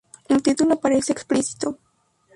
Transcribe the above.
El título aparece explícito.